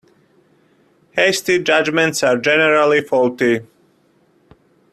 Hasty judgements are generally faulty.